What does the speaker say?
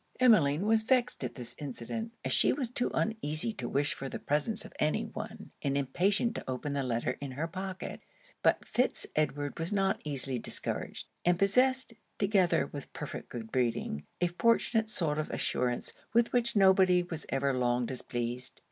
Emmeline was vexed at this incident, as she was too uneasy to wish for the presence of any one, and impatient to open the letter in her pocket. But Fitz Edward was not easily discouraged; and possessed, together with perfect good breeding, a fortunate sort of assurance with which nobody was ever long displeased.